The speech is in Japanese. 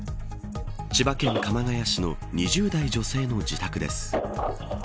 千葉県、鎌ケ谷市の２０代女性の自宅です。